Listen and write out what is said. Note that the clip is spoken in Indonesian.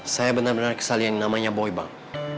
saya benar benar kesal yang namanya boy bank